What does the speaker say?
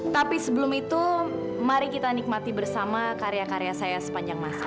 tapi sebelum itu mari kita nikmati bersama karya karya saya sepanjang masa